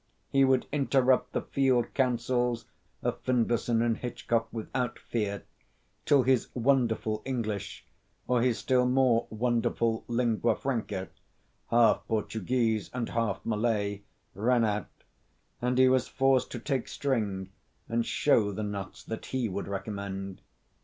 He would interrupt the field councils of Findlayson and Hitchcock without fear, till his wonderful English, or his still more wonderful linguafranca, half Portuguese and half Malay, ran out and he was forced to take string and show the knots that he would recommend.